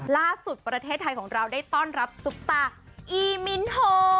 ล่าสุดประเทศไทยของเราได้ต้อนรับซุปตาอีมินโฮ